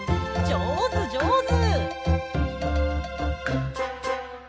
じょうずじょうず！